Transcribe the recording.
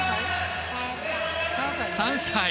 ３歳。